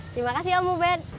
terima kasih om uben